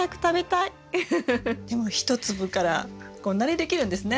でも１粒からこんなにできるんですね。